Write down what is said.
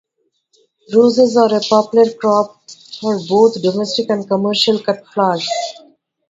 Roses are a popular crop for both domestic and commercial cut flowers.